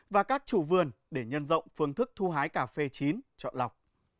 và các chủ vườn để nhân rộng phương thức thu hái cà phê chín chọn lọc